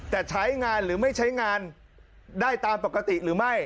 แต่ใช้งานหรือไม่ใช้งานได้ตามปกติหรือไม่